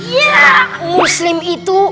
ya muslim itu